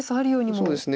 そうですね